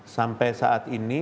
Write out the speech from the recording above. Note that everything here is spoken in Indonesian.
sampai saat ini